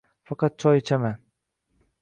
faqat choy ichaman